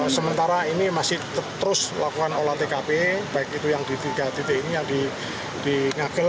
sementara ini masih terus lakukan olah tkp baik itu yang di tiga titik ini yang di ngagel